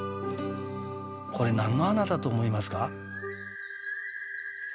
これ何の穴だと思いますか？